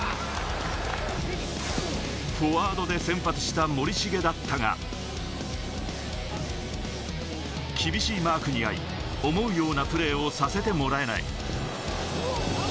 フォワードで先発した森重だったが、厳しいマークに遭い、思うようなプレーをさせてもらえない。